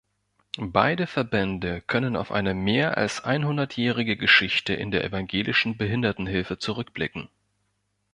Beide Verbände können auf eine mehr als einhundertjährige Geschichte in der evangelischen Behindertenhilfe zurückblicken.